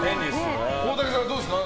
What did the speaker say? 大竹さん、どうですか？